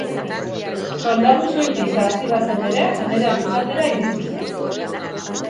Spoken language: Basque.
Soldadu soil gisa hasi bazen ere, jeneral izatera iritsi zen.